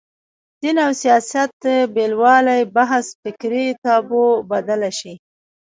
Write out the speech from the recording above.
دین او سیاست بېلوالي بحث فکري تابو بدله شي